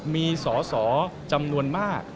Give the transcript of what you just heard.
มีสอสอจำนวนมาก